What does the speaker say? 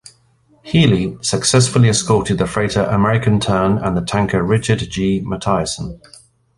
"Healy" successfully escorted the freighter American Tern and the tanker Richard G. Matthieson.